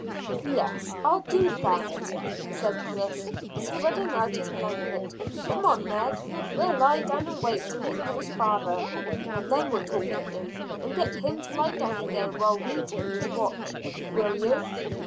"Yes, I'll do that," said Chris, spreading out his blanket. "Come on, Ned; we'll lie down and wait till he calls father, and then we'll talk to him and get him to lie down again while we take his watch. Will you?"